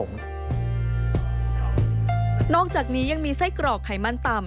นอกจากนี้ยังมีไส้กรอกไขมันต่ำ